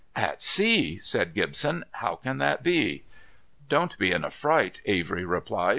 "At sea!" said Gibson. "How can that be?" "Don't be in a fright," Avery replied.